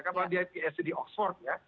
karena dia phd di oxford ya